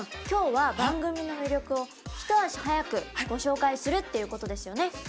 今日は番組の魅力を一足早くご紹介するっていうことですよね。